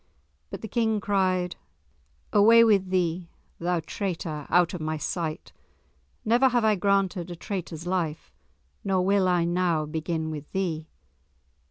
But the King cried, "Away with thee, thou traitor, out of my sight! Never have I granted a traitor's life, nor will I now begin with thee!"